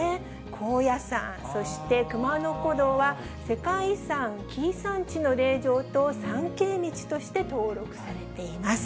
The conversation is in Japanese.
高野山、そして熊野古道は、世界遺産、紀伊山地の霊場と参詣道として登録されています。